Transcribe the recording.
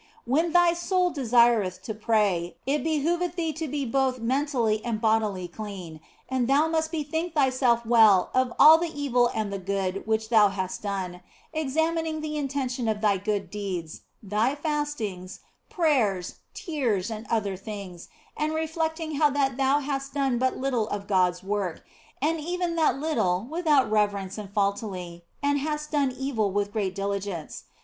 When thy soul desireth to pray it behoveth thee to be both mentally and bodily clean, and thou must bethink thyself well of all the evil and the good which thou hast done, examining the intention of thy good deeds, thy fastings, prayers, tears, and other things, and reflecting how that thou hast done but little of God s work, and even that little without reverence and faultily, and hast done evil with great diligence.